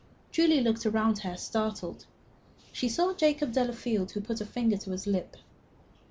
Julie looked round her, startled. She saw Jacob Delafield, who put his finger to his lip.